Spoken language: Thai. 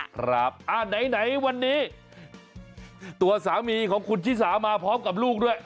ครับอ่าไหนวันนี้ตัวสามีของคุณชิสามาพร้อมกับลูกด้วย